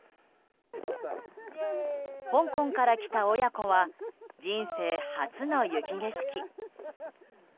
香港から来た親子は人生初の雪景色。